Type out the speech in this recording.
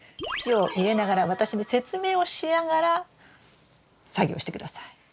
土を入れながら私に説明をしながら作業して下さい。